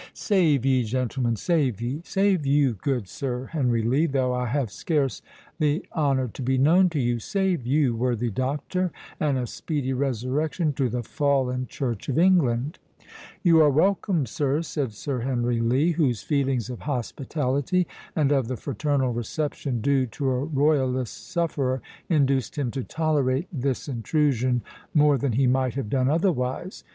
"Save ye, gentlemen, save ye.—Save you, good Sir Henry Lee, though I have scarce the honour to be known to you.—Save you, worthy doctor, and a speedy resurrection to the fallen Church of England." "You are welcome, sir," said Sir Henry Lee, whose feelings of hospitality, and of the fraternal reception due to a royalist sufferer, induced him to tolerate this intrusion more than he might have done otherwise.